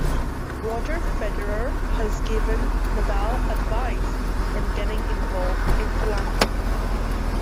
Roger Federer has given Nadal advice on getting involved in philanthropy.